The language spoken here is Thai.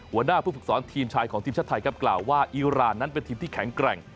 หัวหน้าผู้ฝึกสอนทีมชายของทีมชาติไทยครับกล่าวว่าอีรานนั้นเป็นทีมที่แข็งแกร่ง